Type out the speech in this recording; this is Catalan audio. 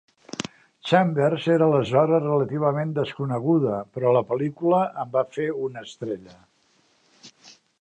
Chambers era aleshores relativament desconeguda, però la pel·lícula en va fer una estrella.